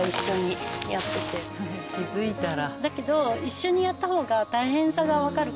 気づいたら。